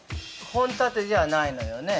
◆本立てじゃないのよね。